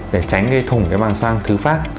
để tránh cái thủng cái màng xoang thứ phát